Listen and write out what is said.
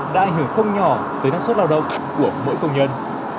đã ảnh hưởng không nhỏ tới năng suất lao động của mỗi công nhân